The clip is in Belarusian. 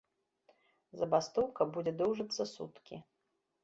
Забастоўка будзе доўжыцца суткі.